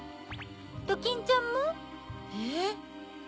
ドキンちゃんも？えっ？